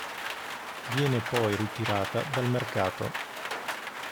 Viene poi ritirata dal mercato.